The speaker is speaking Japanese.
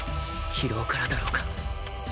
疲労からだろうか